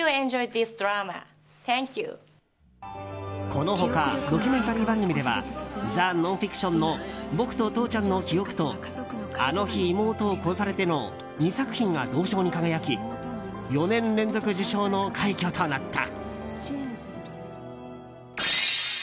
この他ドキュメンタリー番組では「ザ・ノンフィクション」の「ボクと父ちゃんの記憶」と「あの日妹を殺されて」の２作品が銅賞に輝き４年連続受賞の快挙となった。